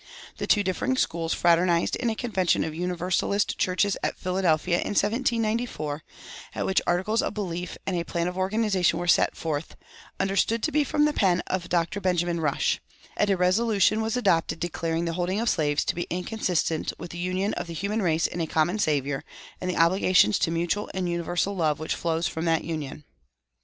The two differing schools fraternized in a convention of Universalist churches at Philadelphia in 1794, at which articles of belief and a plan of organization were set forth, understood to be from the pen of Dr. Benjamin Rush; and a resolution was adopted declaring the holding of slaves to be "inconsistent with the union of the human race in a common Saviour, and the obligations to mutual and universal love which flow from that union."